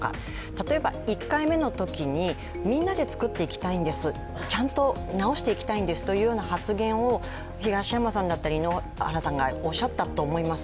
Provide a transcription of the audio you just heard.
例えば１回目のときに、みんなで作っていきたいんです、ちゃんと直していきたいんですという発言を東山さんだったり井ノ原さんがおっしゃったと思います。